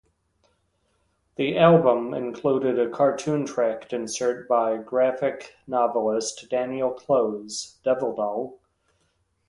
The album included a cartoon tract insert by graphic novelist Daniel Clowes, Devil Doll?